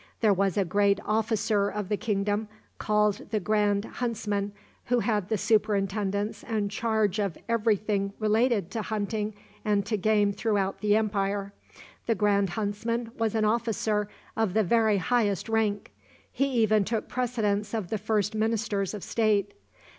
There was a great officer of the kingdom, called the grand huntsman, who had the superintendence and charge of every thing relating to hunting and to game throughout the empire. The grand huntsman was an officer of the very highest rank. He even took precedence of the first ministers of state.